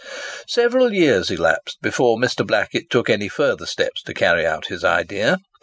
Several years elapsed before Mr. Blackett took any further steps to carry out his idea.